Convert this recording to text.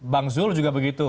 bang zul juga begitu